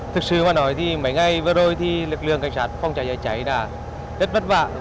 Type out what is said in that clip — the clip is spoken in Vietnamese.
thực sự mà nói thì mấy ngày vừa rồi thì lực lượng cảnh sát phòng cháy chữa cháy đã rất vất vả